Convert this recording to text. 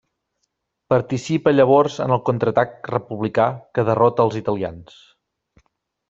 Participa llavors en el contraatac republicà que derrota als italians.